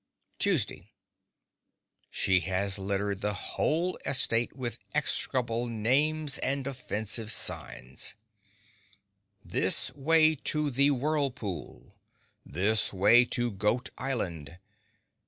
Tuesday She has littered the whole estate with execrable names and offensive signs: THIS WAY TO THE WHIRLPOOL. THIS WAY TO GOAT ISLAND.